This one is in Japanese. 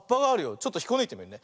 ちょっとひっこぬいてみるね。